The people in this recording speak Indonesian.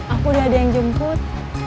aku udah ada yang jemput